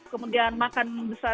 kemudian makan besar